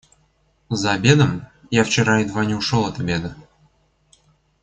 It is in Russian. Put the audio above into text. За обедом... я вчера едва не ушел от обеда.